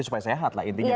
supaya sehat lah intinya